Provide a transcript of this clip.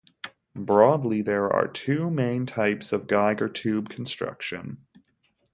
Broadly, there are two main types of Geiger tube construction.